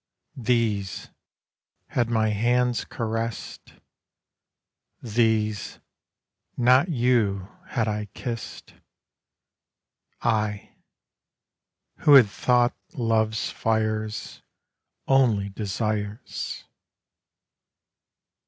These, had my hands caressed; These, not you, had I kissed I, Who had thought love's fires Only desires.